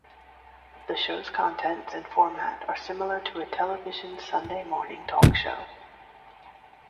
The show's contents and format are similar to a television Sunday morning talk show.